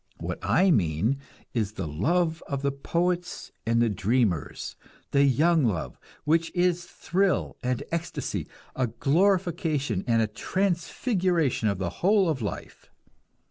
What I mean is the love of the poets and the dreamers, the "young love" which is thrill and ecstasy, a glorification and a transfiguration of the whole of life.